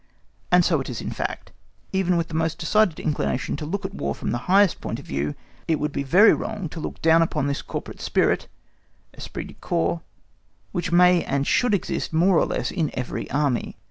And so it is in fact. Even with the most decided inclination to look at War from the highest point of view, it would be very wrong to look down upon this corporate spirit (esprit de corps) which may and should exist more or less in every Army.